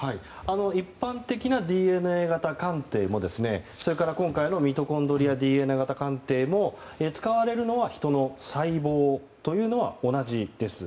一般的なＤＮＡ型鑑定もそれから今回のミトコンドリアＤＮＡ型鑑定も使われるのは人の細胞というのは同じです。